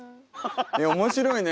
面白いね。